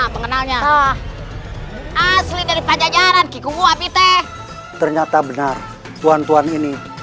pengenalnya asli dari pajajaran kikubu abite ternyata benar tuan tuan ini